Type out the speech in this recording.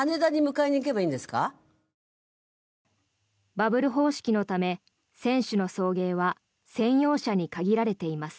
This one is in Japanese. バブル方式のため選手の送迎は専用車に限られています。